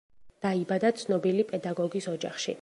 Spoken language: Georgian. დაიბადა ცნობილი პედაგოგის ოჯახში.